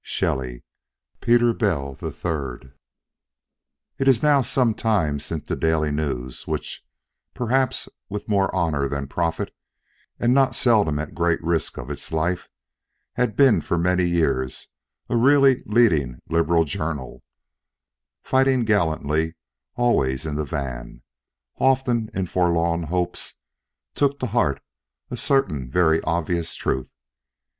Shelley, "Peter Bell the Third" It is now some time since the Daily News, which, perhaps with more honor than profit, and not seldom at great risk of its life, had been for many years a really leading Liberal journal, fighting gallantly always in the van, often in forlorn hopes, took to heart a certain very obvious truth.